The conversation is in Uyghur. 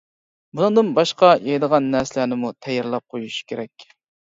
بۇنىڭدىن باشقا يەيدىغان نەرسىلەرنىمۇ تەييارلاپ قويۇش كېرەك.